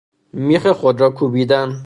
میخ خود را کوبیدن